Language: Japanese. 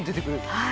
はい。